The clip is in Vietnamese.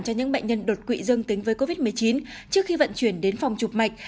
cho những bệnh nhân đột quỵ dương tính với covid một mươi chín trước khi vận chuyển đến phòng chụp mạch